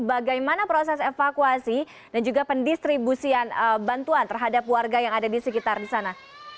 bagaimana proses evakuasi dan juga pendistribusian bantuan terhadap warga yang ada di sekitar di sana